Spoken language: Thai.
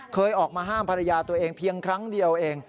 เคยออกมาห้ามภรรยาตัวเองเพียงครั้งเดียวเอง